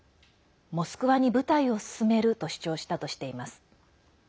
モスクワに部隊を進めると主張したとしています。